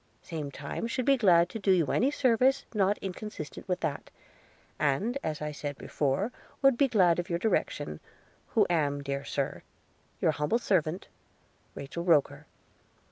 Same time should be glad to do you any service not inconsistent with that; and, as I said before, would be glad of your direction, who am, dear Sir, Your humble servant, RACHEL ROKER.